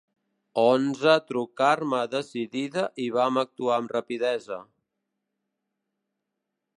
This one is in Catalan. Onze trucar-me decidida i vam actuar amb rapidesa.